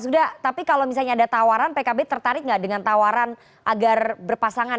oke oke mas huda tapi kalau misalnya ada tawaran pkb tertarik nggak dengan tawaran agar berpasangan